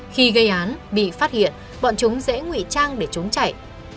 khi gây án bị phát hiện bọn chúng dễ nguy trang để trốn chạy